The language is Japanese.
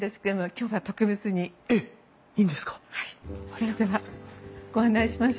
それではご案内しましょう。